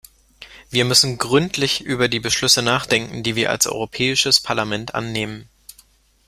Wir müssen gründlich über die Beschlüsse nachdenken, die wir als Europäisches Parlament annehmen.